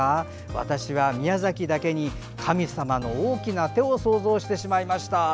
私は宮崎だけに神様の大きな手を想像してしまいました。